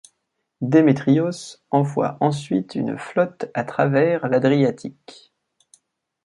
Démétrios envoie ensuite une flotte à travers l'Adriatique.